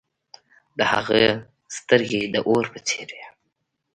د هغه سترګې د اور په څیر وې.